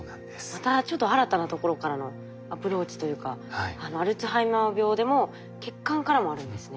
またちょっと新たなところからのアプローチというかアルツハイマー病でも血管からもあるんですね。